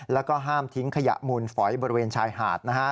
แล้วก็ห้ามทิ้งขยะมูลฝอยบริเวณชายหาดนะฮะ